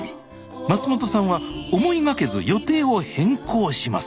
松本さんは思いがけず予定を変更します